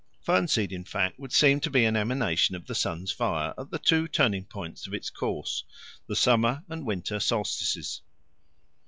Fern seed, in fact, would seem to be an emanation of the sun's fire at the two turning points of its course, the summer and winter solstices.